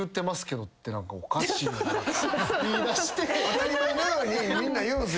当たり前のようにみんな言うんすよ。